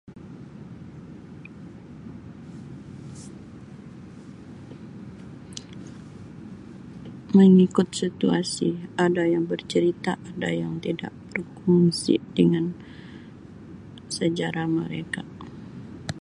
Mengikut situasi ada yang bercerita ada yang tidak berkongsi dengan sejarah mereka.